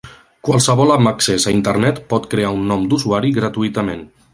Qualsevol amb accés a Internet pot crear un nom d'usuari gratuïtament.